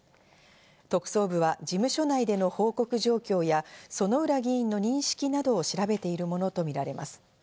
特捜部は事務所内での報告状況や、薗浦議員の認識などを調べているものとみられます。